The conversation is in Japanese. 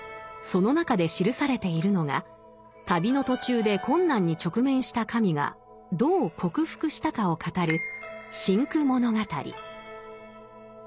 その中で記されているのが旅の途中で困難に直面した神がどう克服したかを語る「辛苦物語」。